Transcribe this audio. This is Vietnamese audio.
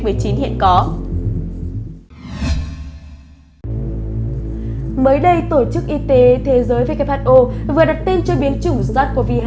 mới đây tổ chức y tế thế giới who vừa đặt tên cho biến chủng sars cov hai